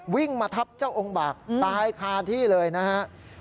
วิ่งมาทับเจ้าองค์บากตายคาที่เลยนะครับ